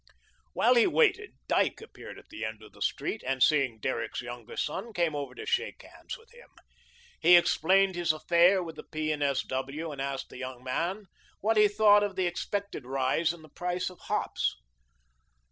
While he waited, Dyke appeared at the end of the street, and, seeing Derrick's younger son, came over to shake hands with him. He explained his affair with the P. and S. W., and asked the young man what he thought of the expected rise in the price of hops.